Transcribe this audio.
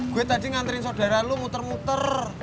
gue tadi nganterin saudara lo muter muter